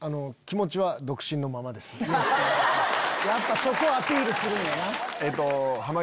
やっぱそこアピールするんやな。